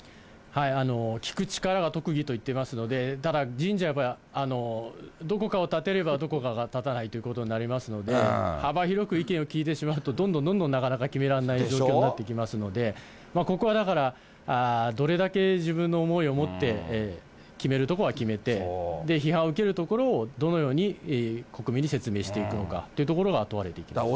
聞く力が特技と言っていますので、ただ人事はやっぱりどこかを立てればどこかが立たないということになりますので、幅広く意見を聞いてしまうとどんどんどんどんなかなか決められない状況になってきますので、ここはだから、どれだけ自分の思いを持って、決めるところは決めて、批判を受けるところをどのように国民に説明していくのかというところが問われてくると思います。